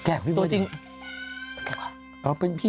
แก่ว่ากับพี่โบ๊ะ